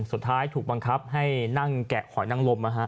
สุดท้ายถูกบังคับให้นั่งแกะหอยนั่งลม